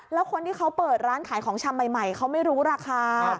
แล้วคนที่เขาเปิดร้านขายของชำใหม่เขาไม่รู้ราคา